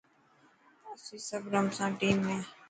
اسين سب رمسان ٽيم ۾.